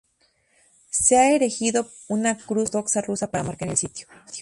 Se ha erigido una cruz ortodoxa rusa para marcar el sitio.